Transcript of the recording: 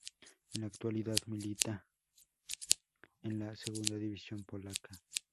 En la actualidad milita en la segunda división polaca.